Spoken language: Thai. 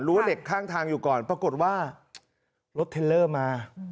เหล็กข้างทางอยู่ก่อนปรากฏว่ารถเทลเลอร์มา